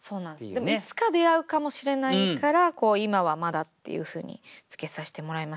でもいつか出会うかもしれないから「今はまだ」っていうふうにつけさせてもらいました。